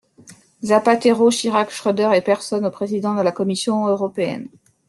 Zapatero, Chirac, Schröder et Persson au président de la Commission européenne.